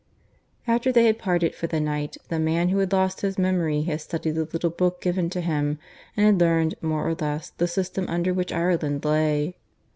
After they had parted for the night, the man who had lost his memory had studied the little book given to him, and had learned more or less the system under which Ireland lay.